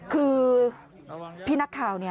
คือพี่นักข่าว